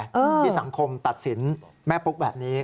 ที่สังคมตัดสินแม่ปุ๊กแบบนี้